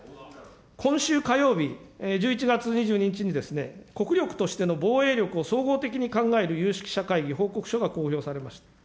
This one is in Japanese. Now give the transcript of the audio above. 今週火曜日、１１月２２日に、国力としての防衛力を総合的に考える有識者会議報告書が公表されました。